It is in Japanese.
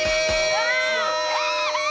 うわ！